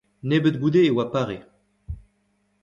Nebeut goude e oa pare.